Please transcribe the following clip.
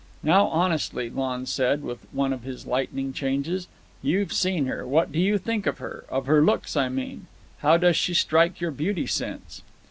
"Now, honestly," Lon said, with one of his lightning changes, "you've seen her, what do you think of her—of her looks, I mean? How does she strike your beauty sense?"